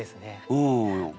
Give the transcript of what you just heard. うん。